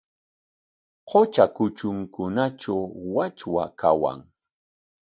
Qutra kutrunkunatraw wachwa kawan.